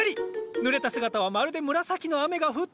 ぬれた姿はまるで紫の雨が降ったようにすてきさ。